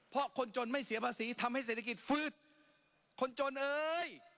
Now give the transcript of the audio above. เพราะคนจนไม่เสียภาษีทำให้เศรษฐกิจฟื้นคนจนเอ้ย